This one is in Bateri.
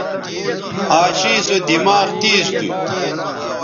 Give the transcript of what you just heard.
عاشی سو دماغ تیز تھو